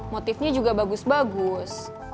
motifnya juga bagus bagus